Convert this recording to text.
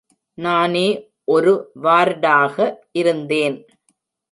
நானே ஒரு வார்டாக இருந்தேன்.